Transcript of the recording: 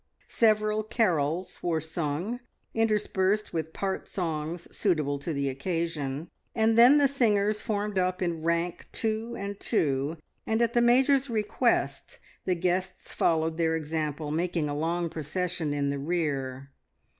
Several carols were sung, interspersed with part songs suitable to the occasion, and then the singers formed up in rank two and two, and at the Major's request the guests followed their example, making a long procession in the rear.